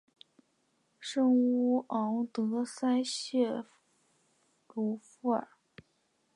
圣乌昂德塞谢鲁夫尔。